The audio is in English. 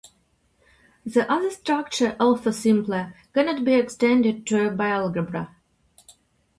The other structure, although simpler, cannot be extended to a bialgebra.